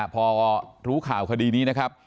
พอรู้ข่าวคดีนี้นะครับ